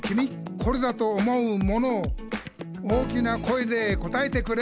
「これだと思うものを大きな声で答えてくれ！」